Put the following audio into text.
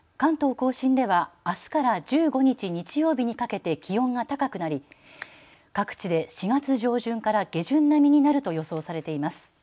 甲信ではあすから１５日、日曜日にかけて気温が高くなり各地で４月上旬から下旬並みになると予想されています。